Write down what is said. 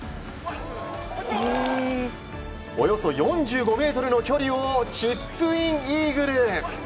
およそ４５ｍの距離をチップインイーグル！